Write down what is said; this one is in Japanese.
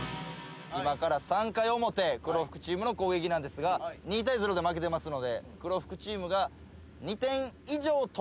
今から３回表黒服チームの攻撃なんですが２対０で負けてますので黒服チームが。